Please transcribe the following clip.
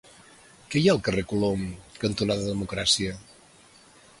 Què hi ha al carrer Colom cantonada Democràcia?